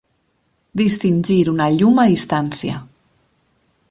Distingir una llum a distància.